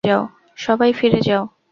সবাই ফিরে যাও।